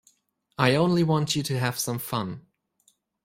I only want you to have some fun.